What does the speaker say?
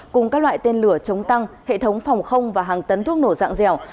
cùng các loại tên lửa chống tăng hệ thống phòng không và hàng tấn thuốc nổ dạng dẻo